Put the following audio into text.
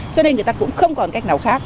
cho nên người ta cũng không còn cách nào khác